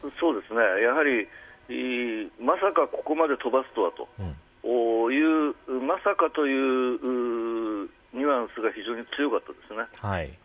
やはり、まさかここまで飛ばすとはという、まさかというニュアンスが非常に強かったですね。